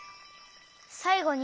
さいごに？